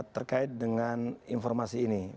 terkait dengan informasi ini